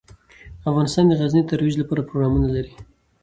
افغانستان د غزني د ترویج لپاره پروګرامونه لري.